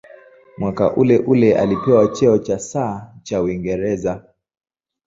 Mwaka uleule alipewa cheo cha "Sir" cha Uingereza.